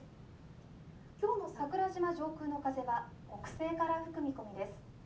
今日の桜島上空の風は北西から吹く見込みです。